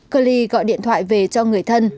klee gọi điện thoại về cho người thân